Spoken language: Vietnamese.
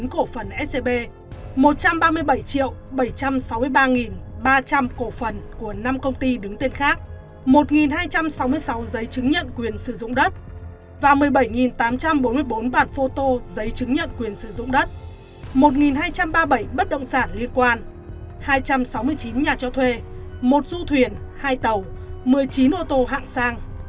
tám trăm sáu mươi bảy năm trăm sáu mươi một hai trăm năm mươi chín cổ phần scb một trăm ba mươi bảy bảy trăm sáu mươi ba ba trăm linh cổ phần của năm công ty đứng tên khác một hai trăm sáu mươi sáu giấy chứng nhận quyền sử dụng đất và một mươi bảy tám trăm bốn mươi bốn bản phô tô giấy chứng nhận quyền sử dụng đất một hai trăm ba mươi bảy bất động sản liên quan hai trăm sáu mươi chín nhà cho thuê một du thuyền hai tàu một mươi chín ô tô hạng sang